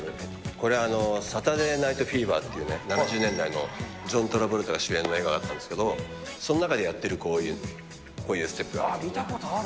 これ、サタデー・ナイト・フィーバーって７０年代のジョン・トラボルタが主演の映画があったんですけど、その中でやってる、こういうステ見たことあるな。